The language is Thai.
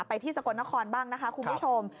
ที่สกลนครบ้างนะคะคุณผู้ชม